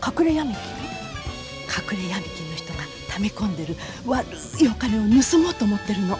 隠れヤミ金の人がため込んでる悪いお金を盗もうと思ってるの。